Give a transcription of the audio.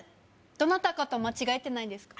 どなたかと間違えてないですか？